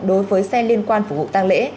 đối với xe liên quan phục vụ tăng lễ